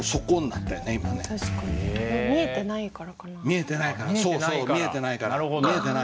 「見えてないから」「見えてない」。